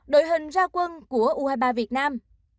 đội hình ra quân của u hai mươi ba việt nam